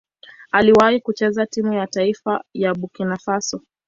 Aliwahi kucheza timu ya taifa ya Burkina Faso.